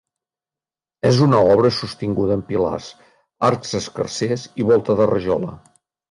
És una obra sostinguda amb pilars, arcs escarsers i volta de rajola.